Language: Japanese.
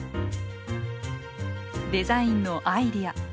デザインのアイデア。